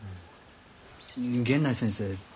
源内先生